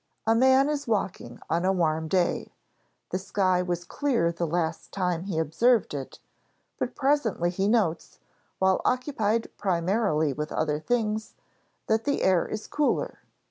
A man is walking on a warm day. The sky was clear the last time he observed it; but presently he notes, while occupied primarily with other things, that the air is cooler.